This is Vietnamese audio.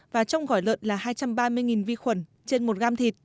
và trong gói lợn là hai trăm ba mươi vi khuẩn trên một gram thịt